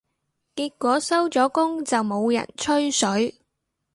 結果收咗工就冇人吹水